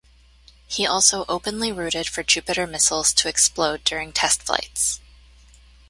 He also openly rooted for Jupiter missiles to explode during test flights.